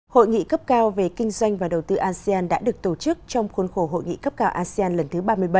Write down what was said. hội nghị cấp cao về kinh doanh và đầu tư asean đã được tổ chức trong khuôn khổ hội nghị cấp cao asean lần thứ ba mươi bảy